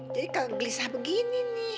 jadi kagak gelisah begini nih